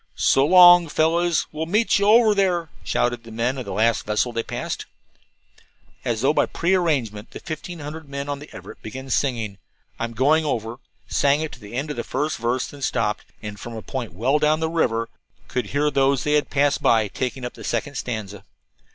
"So long, fellows; we'll meet you over there," shouted the men of the last vessel they passed. As though by prearrangement the fifteen hundred men on the Everett began singing, "I'm Going Over," sang it to the end of the first verse, then stopped, and from a point well down the river could hear those they had passed taking up the second stanza.